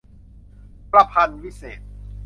ประพันธวิเศษณ์